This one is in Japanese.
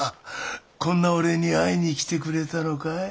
こんな俺に会いに来てくれたのかい？